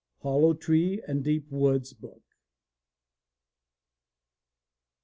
Hollow Tree and Deep Woods Book.